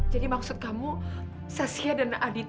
jadi maksud kamu saskia dan aditya sendirian di hutan